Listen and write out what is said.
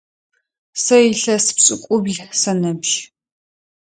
Сэ илъэс пшӏыкӏубл сыныбжь.